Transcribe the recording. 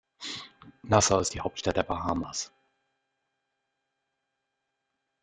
Nassau ist die Hauptstadt der Bahamas.